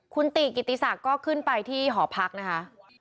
คุณติกิติศักดิ์ก็ขึ้นไปที่หอพักนะคะ